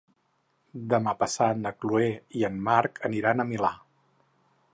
Demà passat na Chloé i en Marc aniran al Milà.